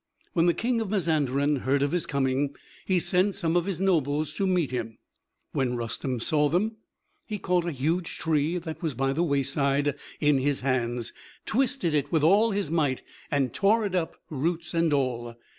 When the King of Mazanderan heard of his coming, he sent some of his nobles to meet him. When Rustem saw them, he caught a huge tree that was by the wayside in his hands, twisted it with all his might, and tore it up, roots and all.